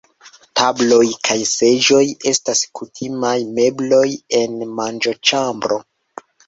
Tablo kaj seĝoj estas kutimaj mebloj en manĝoĉambro.